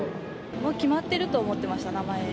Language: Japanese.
もう決まってると思ってました、名前。